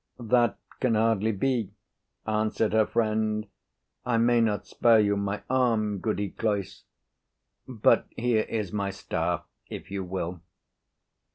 "That can hardly be," answered her friend. "I may not spare you my arm, Goody Cloyse; but here is my staff, if you will."